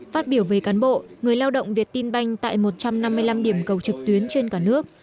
phát biểu về cán bộ người lao động việt tin banh tại một trăm năm mươi năm điểm cầu trực tuyến trên cả nước